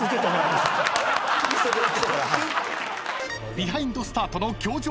［ビハインドスタートの教場